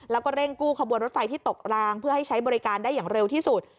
แล้วก็เร่งกู้ขบวนรถไฟที่ตกรางเพื่อให้ใช้บริการได้อย่างเร็วที่สุด